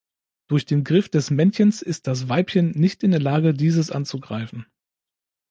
Durch den Griff des Männchens ist das Weibchen nicht in der Lage, dieses anzugreifen.